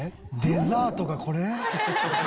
デザートがこれ？